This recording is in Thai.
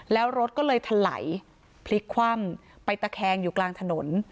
แล้วรถก็เลยถลายพลิกคว่ำไปตะแคงอยู่กลางถนน